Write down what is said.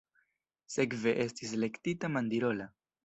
Sekve estis elektita Mandirola.